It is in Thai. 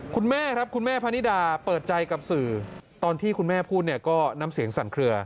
คุณแม่ครับคุณแม่พนิดาเปิดใจกับสื่อตอนที่คุณแม่พูดเนี่ยก็น้ำเสียงสั่นเคลือ